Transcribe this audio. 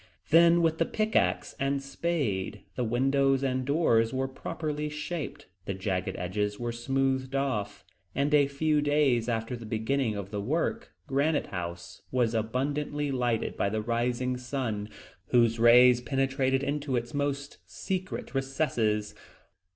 Then, with the pickaxe and spade, the windows and doors were properly shaped, the jagged edges were smoothed off, and a few days after the beginning of the work, Granite House was abundantly lighted by the rising sun, whose rays penetrated into its most secret recesses.